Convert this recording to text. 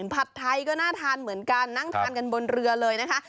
ผัดไทยก็น่าทานเหมือนกันนั่งทานกันบนเรือเลยนะคะ